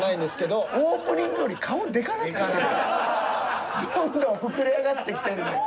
どんどん膨れ上がってきてるねん。